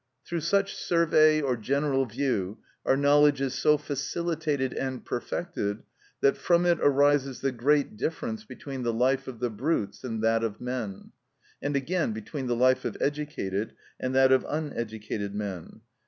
Through such survey or general view our knowledge is so facilitated and perfected that from it arises the great difference between the life of the brutes and that of men, and again between the life of educated and that of uneducated men.